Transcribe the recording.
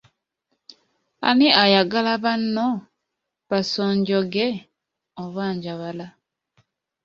Ani ayagala bano ba nsonjoge oba Njabala?